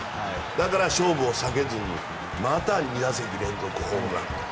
だから、勝負を避けずにまた２打席連続ホームラン。